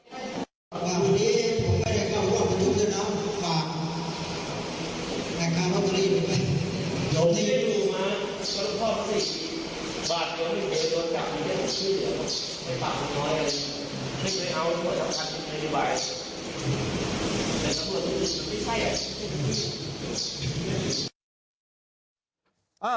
คุณผู้ชมฮะตำรวจสอพทัพทันนะ